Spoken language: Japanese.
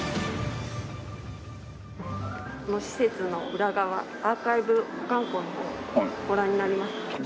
この施設の裏側アーカイブ保管庫の方ご覧になりますか？